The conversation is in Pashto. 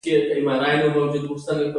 هغه هغې ته په درناوي د اواز کیسه هم وکړه.